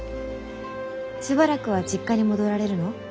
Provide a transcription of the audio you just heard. しばらくは実家に戻られるの？